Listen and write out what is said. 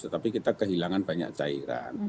tetapi kita kehilangan banyak cairan